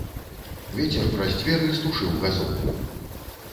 Вецер праз дзверы стушыў газоўку.